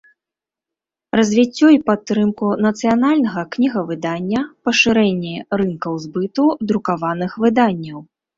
Развiццё i падтрымку нацыянальнага кнiгавыдання, пашырэнне рынкаў збыту друкаваных выданняў.